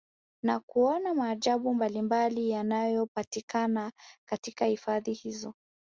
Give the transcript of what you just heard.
Na kuona maajabu mbalimbali yanayopatikana katika hifadhi hizo